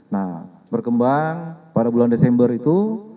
nah berkembang pada bulan desember itu